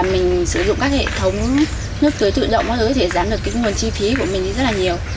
ví dụ mình sử dụng các hệ thống nước tưới tự động thì giảm được nguồn chi phí của mình rất nhiều